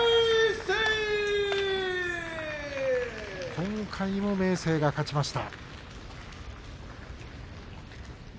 今回も明生が勝ちました。